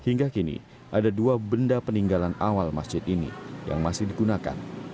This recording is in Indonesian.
hingga kini ada dua benda peninggalan awal masjid ini yang masih digunakan